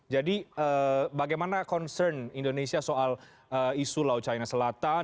jadi bagaimana concern indonesia soal isu laut china selatan